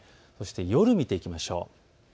そして夜を見ていきましょう。